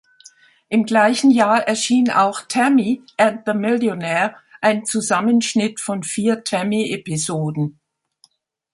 Im gleichen Jahr erschien auch "Tammy and the Millionaire", ein Zusammenschnitt von vier "Tammy"-Episoden.